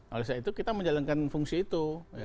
oleh sebab itu kita menjalankan fungsi itu